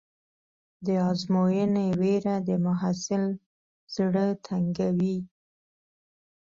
د ازموینې وېره د محصل زړه تنګوي.